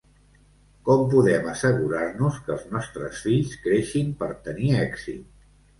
Com podem assegurar-nos que els nostres fills creixin per tenir èxit?